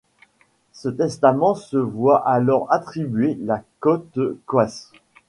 Le testament se voit alors attribuer la cote Coisl.